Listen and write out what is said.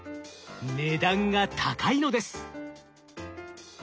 値段が高いのです。